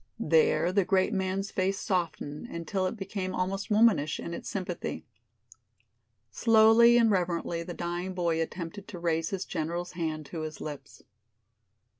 There the great man's face softened until it became almost womanish in its sympathy. Slowly and reverently the dying boy attempted to raise his general's hand to his lips.